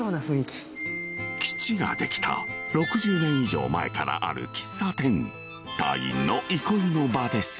基地が出来た６０年以上前からある喫茶店隊員の憩いの場です